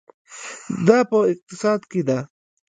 دا په اقتصاد کې ده.